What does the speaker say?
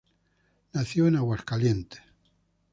Nació en Aguascalientes.